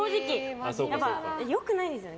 良くないですよね。